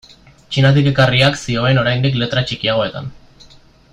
Txinatik ekarriak zioen oraindik letra txikiagoetan.